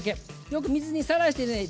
よく水にさらしてね